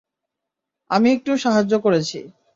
আমি একটু সাহায্য করেছি।